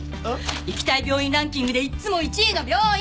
行きたい病院ランキングでいつも１位の病院！